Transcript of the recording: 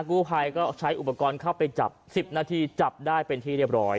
กู้ภัยก็ใช้อุปกรณ์เข้าไปจับ๑๐นาทีจับได้เป็นที่เรียบร้อย